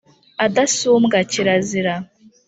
adasumbwa kirazira.